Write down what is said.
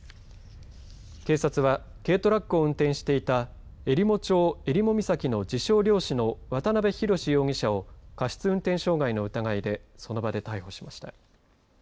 警察は軽トラックを運転していたえりも町えりも岬の自称、漁師の渡部泰容疑者を過失運転傷害の疑いでその場で逮捕しました。